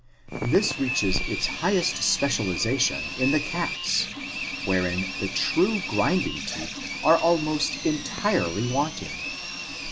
This reaches its highest spec ialization in the cats (see Chapter XXXIII), wherein the true grind ing teeth are almost entirely wanting.